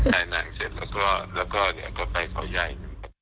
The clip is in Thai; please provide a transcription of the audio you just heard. ถ่ายหนังเสร็จแล้วก็ไปขอใหญ่